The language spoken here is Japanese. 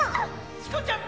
チコちゃん